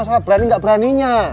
karena berani gak beraninya